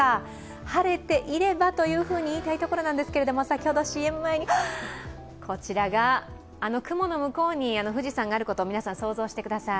晴れていればというふうに言いたいところなんですけれども、先ほどＣＭ前に、こちらがあの雲の向こうに富士山があることを皆さん想像してください。